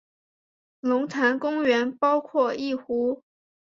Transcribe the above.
龙潭公园包括一湖。